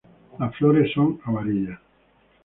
Las flores son amarillas.